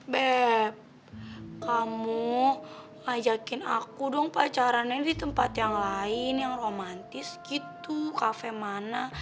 bep kamu ajakin aku dong pacarannya di tempat yang lain yang romantis gitu kafe mana